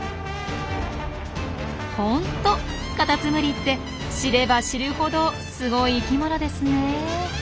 ホントカタツムリって知れば知るほどすごい生きものですねえ。